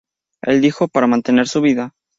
Él dijo; "para mantener su vida".